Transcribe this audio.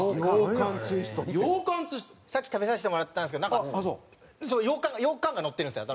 さっき食べさせてもらったんですけどようかんがようかんがのってるんですよ。